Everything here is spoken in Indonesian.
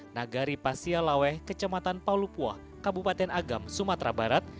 nagari pasialawe kecematan paulupuah kabupaten agam sumatera barat